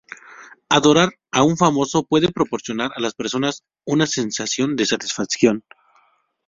Adorar a un famoso puede proporcionar a las personas una sensación de satisfacción.